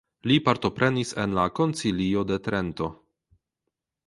Li partoprenis en la Koncilio de Trento.